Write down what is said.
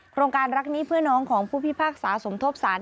โครงการรักนี้เพื่อน้องของผู้พิพากษาสมทบสาร